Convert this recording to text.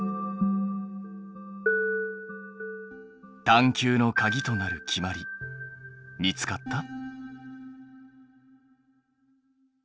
探究のかぎとなる決まり見つかった？